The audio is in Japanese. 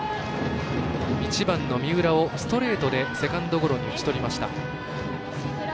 １番の三浦をストレートでセカンドゴロに打ち取りました。